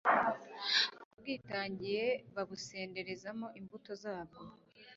ababwitangiye bubasenderezamo imbuto zabwo